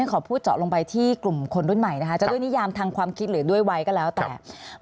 ขอพูดเจาะลงไปที่กลุ่มคนรุ่นใหม่นะคะจะด้วยนิยามทางความคิดหรือด้วยวัยก็แล้วแต่